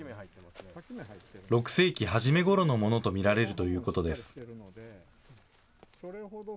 ６世紀初めごろのものと見られるということです。